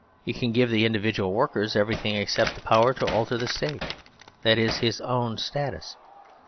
It can give the individual worker everything except the power to alter the State that is, his own status.